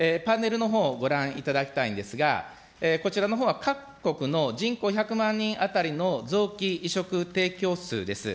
パネルのほうをご覧いただきたいんですが、こちらのほうは各国の人口１００万人当たりの臓器移植提供数です。